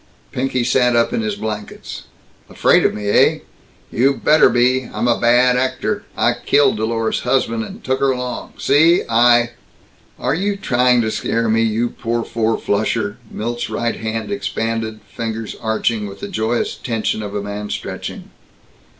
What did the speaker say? Pinky sat up in his blankets. "Afraid of me, eh? You better be! I'm a bad actor. I killed Dolores's husband, and took her along, see? I " "Are you trying to scare me, you poor four flusher?" Milt's right hand expanded, fingers arching, with the joyous tension of a man stretching.